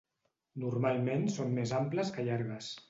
Normalment són més amples que llargues.